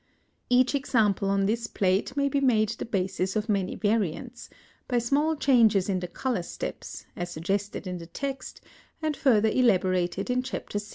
Munsell] Each example on this plate may be made the basis of many variants, by small changes in the color steps, as suggested in the text, and further elaborated in Chapter VI.